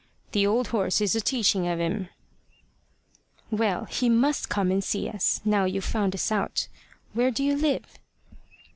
"The old horse is a teaching of him." "Well, he must come and see us, now you've found us out. Where do you live?"